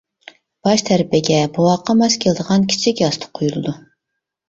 باش تەرىپىگە بوۋاققا ماس كېلىدىغان كىچىك ياستۇق قويۇلىدۇ.